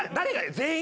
全員！？